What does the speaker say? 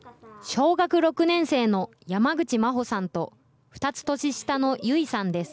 小学６年生の山口真歩さんと２つ年下の結衣さんです。